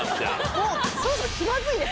もうそろそろ気まずいです